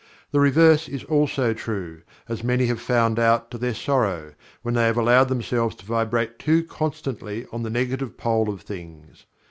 The reverse is also true, as many have found out to their sorrow, when they have allowed themselves to vibrate too constantly on the Negative pole of things.